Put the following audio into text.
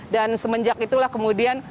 dan semenjak itulah kemudian